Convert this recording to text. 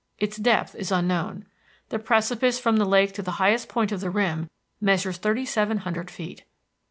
Its depth is unknown. The precipice from the lake to the highest point of the rim measures thirty seven hundred feet.